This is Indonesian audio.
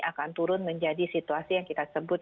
akan turun menjadi situasi yang kita sebut